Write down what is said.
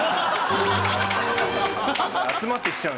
集まってきちゃう。